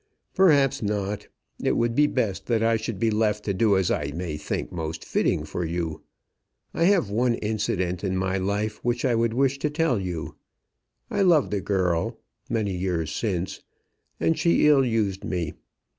"Perhaps not. It would be best that I should be left to do as I may think most fitting for you. I have one incident in my life which I would wish to tell you. I loved a girl, many years since, and she ill used me.